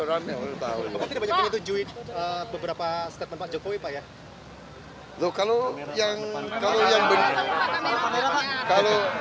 bapak tidak banyak menuju beberapa statement pak jokowi pak ya